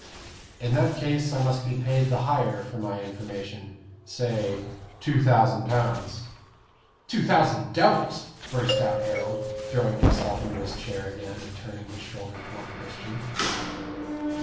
"In that case I must be paid the higher for my information. Say, two thousand pounds." "Two thousand devils!" burst out Harold, throwing himself into his chair again, and turning his shoulder toward Christian.